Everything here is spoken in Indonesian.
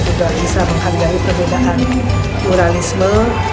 juga bisa menghadapi perbedaan moralisme